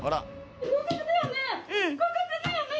合格だよね